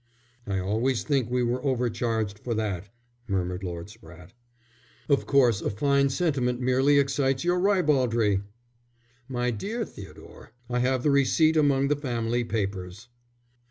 "I always think we were overcharged for that," murmured Lord Spratte. "Of course a fine sentiment merely excites your ribaldry!" "My dear Theodore, I have the receipt among the family papers."